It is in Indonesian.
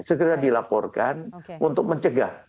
segera dilaporkan untuk mencegah